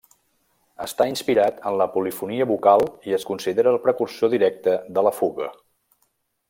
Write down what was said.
Està inspirat en la polifonia vocal i es considera el precursor directe de la fuga.